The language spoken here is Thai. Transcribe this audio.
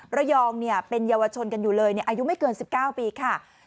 ระยองเป็นเยาวชนกันอยู่เลยอายุไม่เกิน๑๙ปีค่ะ